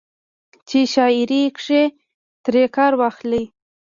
چې شاعرۍ کښې ترې کار واخلي